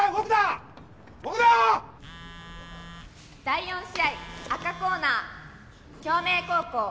第四試合赤コーナー京明高校